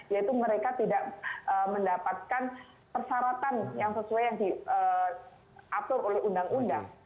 yaitu mereka tidak mendapatkan persyaratan yang sesuai yang diatur oleh undang undang